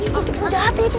itu pun jahat itu